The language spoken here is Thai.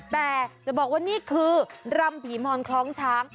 แต่จะบอกว่านี่คือรำผีมอนคล้องช้าง